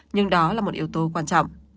nhưng đó là một yếu tố quan trọng